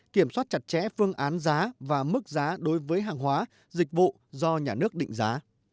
kiểm soát chặt chẽ phương án giá và mức giá đối với hàng hóa dịch vụ do nhà nước định giá